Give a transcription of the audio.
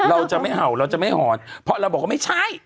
เราจะไม่เห่าเราจะไม่หอนเพราะเราบอกว่าไม่ใช่